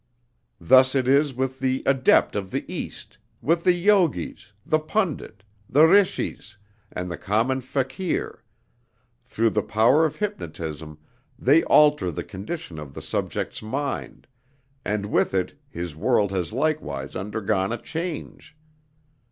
Thus it is with the Adept of the East, with the Yoghis, the Pundit, the Rishis, and the common Fakir; through the power of hypnotism they alter the condition of the subject's mind, and with it his world has likewise undergone a change.